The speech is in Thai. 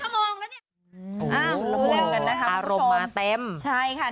โหอหวงมือกันล่ะครับทุกคน